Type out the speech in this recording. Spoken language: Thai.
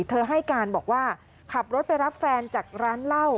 ให้การบอกว่าขับรถไปรับแฟนจากร้านเหล้า